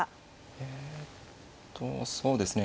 えっとそうですね